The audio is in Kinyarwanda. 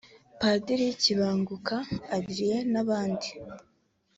Padiri Kibanguka André n’abandi